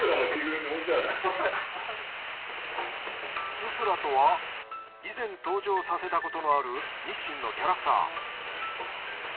ススラとは以前登場させたことのある日清のキャラクター。